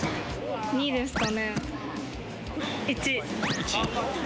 ②ですかね。